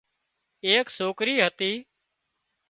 ايڪ سوڪري هتي